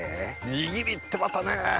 握りってまたねぇ。